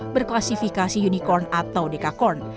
berklasifikasi unicorn atau dekakorn